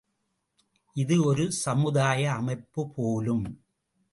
—இது ஒரு சமுதாய அமைப்பு போலும்!